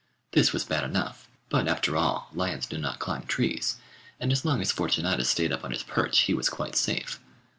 This was bad enough, but after all, lions do not climb trees, and as long as Fortunatus stayed up on his perch, he was quite safe.